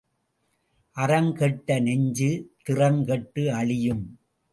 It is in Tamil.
அறம் கெட்ட நெஞ்சு திறம்கெட்டு அழியும்.